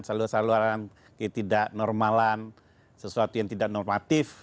saluran saluran ketidaknormalan sesuatu yang tidak normatif